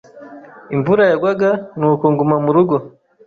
Imvura yagwaga, nuko nguma murugo.